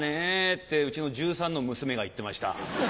ってうちの１３の娘が言ってました。